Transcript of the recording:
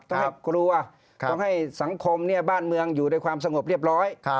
กลัวต้องให้สังคมบ้านเมืองอยู่ในความสงบเรียบร้อย